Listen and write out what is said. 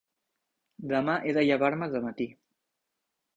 Demà he de llevar-me de matí.